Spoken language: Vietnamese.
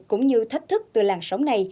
cũng như thách thức từ làn sóng này